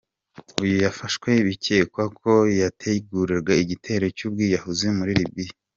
Uyu yafashwe bikekwa ko yateguraga igitero cy’ubwiyahuzi muri Libya.